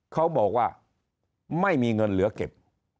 เขาบอกว่าไม่มีเงินเหลือเก็บ